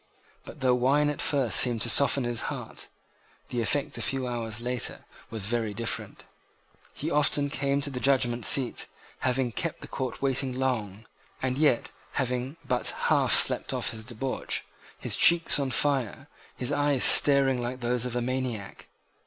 But though wine at first seemed to soften his heart, the effect a few hours later was very different. He often came to the judgment seat, having kept the court waiting long, and yet having but half slept off his debauch, his cheeks on fire, his eyes staring like those of a maniac.